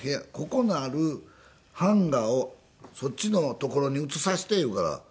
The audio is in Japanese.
ここのあるハンガーをそっちの所に移させて言うから。